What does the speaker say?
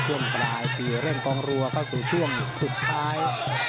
ช่วงปลายปีเร่งกองรัวเข้าสู่ช่วงสุดท้าย